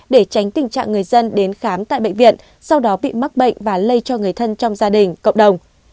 để tránh tình trạng người dân đến khám tại bệnh viện sau đó bị mắc bệnh và lây cho người thân trong gia đình cộng đồng